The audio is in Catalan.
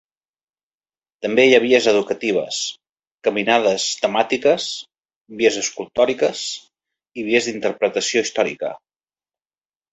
També hi ha vies educatives, caminades temàtiques, vies escultòriques i vies d'interpretació històrica.